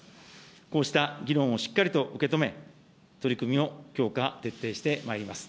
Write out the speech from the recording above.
こうした議論をしっかりと受け止め、取り組みを強化、徹底してまいります。